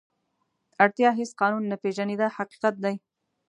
اړتیا هېڅ قانون نه پېژني دا حقیقت دی.